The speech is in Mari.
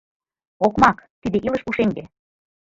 «Окмак, тиде – илыш пушеҥге.